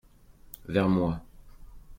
Vers moi.